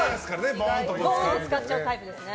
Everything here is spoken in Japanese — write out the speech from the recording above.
ボーンって使っちゃうタイプですね。